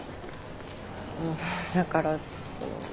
だからその。